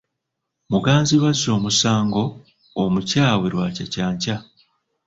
Muganzirwazza omusango omukyawe lwakyakyankya.